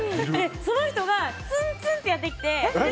その人がツンツンってやってきて。